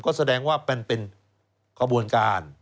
ก็แสดงว่าเป็นขบวนการ